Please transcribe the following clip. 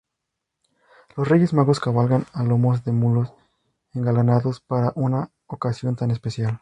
Los Reyes Magos cabalgan a lomos de mulos engalanados para una ocasión tan especial.